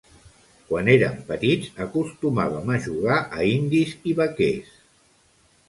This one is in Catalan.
Quan érem petits acostumàvem a jugar a indis i vaquers.